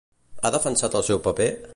Ha defensat el seu paper?